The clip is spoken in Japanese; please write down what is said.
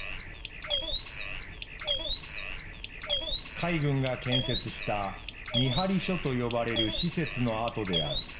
海軍が建設した「見張り所」と呼ばれる施設の跡である。